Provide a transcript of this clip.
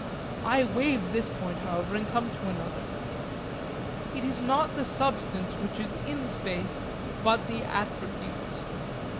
I waive this point however, and come to another. It is not the substance which is in space, but the attributes.